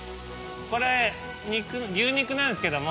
これ牛肉なんですけども。